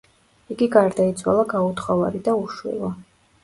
იგი გარდაიცვალა გაუთხოვარი და უშვილო.